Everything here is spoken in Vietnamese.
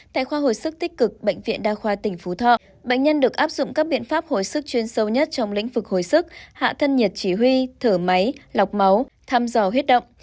tại khoa hồi sức tích cực bệnh viện đa khoa tỉnh phú thọ bệnh nhân được áp dụng các biện pháp hồi sức chuyên sâu nhất trong lĩnh vực hồi sức hạ thân nhiệt chỉ huy thở máy lọc máu thăm dò huyết động